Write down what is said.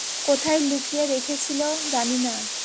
কোথায় লুকিয়ে রেখেছিল জানি না!